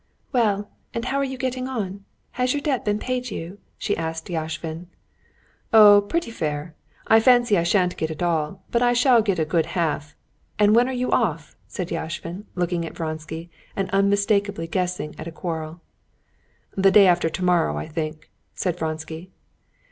"Well, how are you getting on? Has your debt been paid you?" she asked Yashvin. "Oh, pretty fair; I fancy I shan't get it all, but I shall get a good half. And when are you off?" said Yashvin, looking at Vronsky, and unmistakably guessing at a quarrel. "The day after tomorrow, I think," said Vronsky.